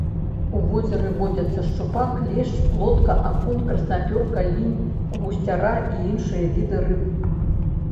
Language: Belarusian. У возеры водзяцца шчупак, лешч, плотка, акунь, краснапёрка, лінь, гусцяра і іншыя віды рыб.